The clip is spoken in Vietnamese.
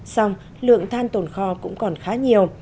xong lượng than tồn kho cũng còn khá nhiều